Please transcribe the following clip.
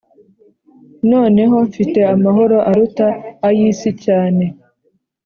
none ho, mfite amahoro aruta ay'isi cyane.